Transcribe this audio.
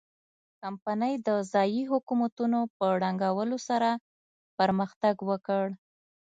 کمپنۍ د ځايي حکومتونو په ړنګولو سره پرمختګ وکړ.